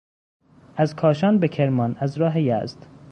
از کاشان به کرمان از راه یزد